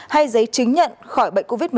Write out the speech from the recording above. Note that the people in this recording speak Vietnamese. hay giấy chứng nhận khỏi bệnh covid một mươi chín